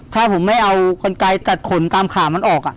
ถ้าผมไม่เอากลไกตัดขนตามขามันออก